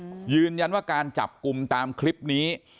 อืมยืนยันว่าการจับกลุ่มตามคลิปนี้